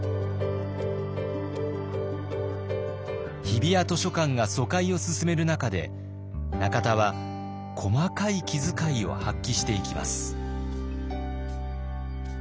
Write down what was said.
日比谷図書館が疎開を進める中で中田は細かい気づかいを発揮していきます。